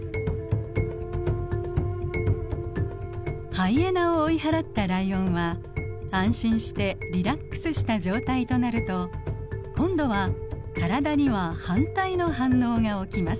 ハイエナを追い払ったライオンは安心してリラックスした状態となると今度は体には反対の反応が起きます。